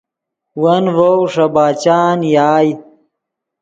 ون ڤؤ ݰے باچان یائے